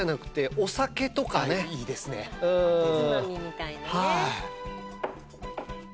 おつまみみたいなね。